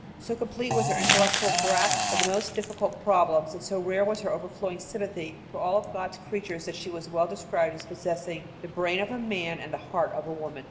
So complete was her intellectual grasp of the most difficult problems, and so rare was her overflowing sympathy for all of God's creatures, that she was well described as possessing "the brain of a man and the heart of a woman."